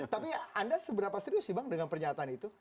tapi anda seberapa serius sih bang dengan pernyataan itu